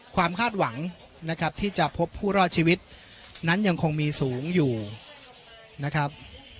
คาดหวังนะครับที่จะพบผู้รอดชีวิตนั้นยังคงมีสูงอยู่นะครับ